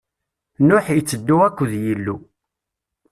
Nuḥ itteddu akked Yillu.